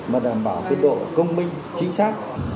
mà đảm bảo cái độ công minh chính xác